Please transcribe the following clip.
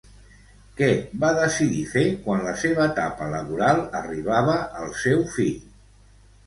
Què va decidir fer quan la seva etapa laboral arribava al seu fi?